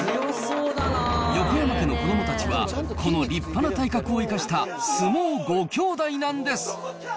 横山家の子どもたちは、この立派な体格を生かした相撲５兄弟なんです。